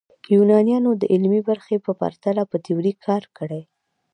یونانیانو د عملي برخې په پرتله په تیوري کار کړی.